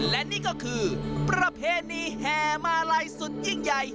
และนี่ก็คือประเพณีแห่มาลัยสุดยิ่งใหญ่